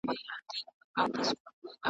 ښورواگاني يې څټلي د كاسو وې .